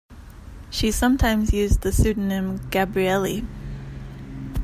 She sometimes used the pseudonym Gabrielli.